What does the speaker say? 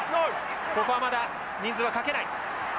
ここはまだ人数はかけない。